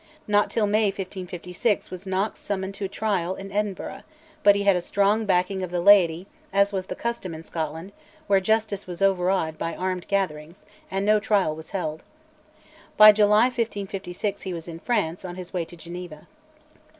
Not till May 1556 was Knox summoned to trial in Edinburgh, but he had a strong backing of the laity, as was the custom in Scotland, where justice was overawed by armed gatherings, and no trial was held. By July 1556 he was in France, on his way to Geneva.